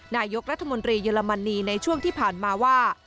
นายกรัฐมนตรีเยอรมนีในช่วงที่ผ่านมาว่า